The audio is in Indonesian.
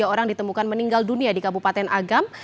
tiga orang ditemukan meninggal dunia di kabupaten agam